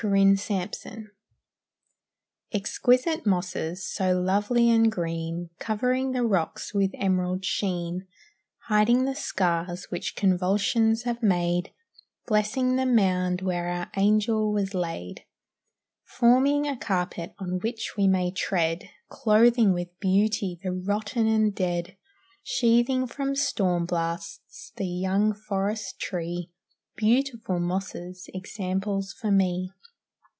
THE MOSSES Exquisite mosses, so lovely and green, Covering the rocks with emerald sheen; Hiding the scars which convulsions have made; Blessing the mound where our angel was laid; Forming a carpet on which we may tread; Clothing with beauty the rotten and dead; Sheathing from storm blasts the young forest tree Beautiful mosses, examples for me.